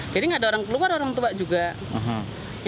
jadi nggak ada orang keluar orang tua juga